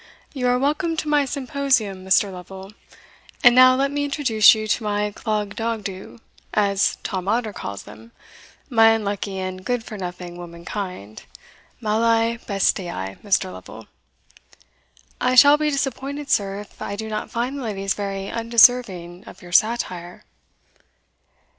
"You are welcome to my symposion, Mr. Lovel. And now let me introduce you to my Clogdogdo's, as Tom Otter calls them my unlucky and good for nothing womankind malae bestiae, Mr. Lovel." "I shall be disappointed, sir, if I do not find the ladies very undeserving of your satire."